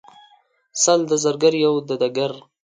سل د زرګر یو دګګر.